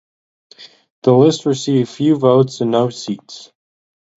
The list received few votes and no seats.